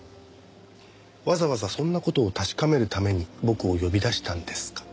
わざわざそんな事を確かめるために僕を呼び出したんですか？